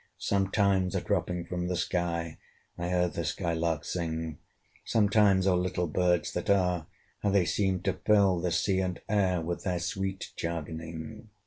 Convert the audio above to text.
Sometimes a dropping from the sky I heard the sky lark sing; Sometimes all little birds that are, How they seemed to fill the sea and air With their sweet jargoning!